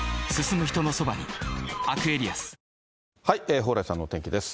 蓬莱さんのお天気です。